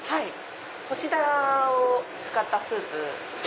干しダラを使ったスープです。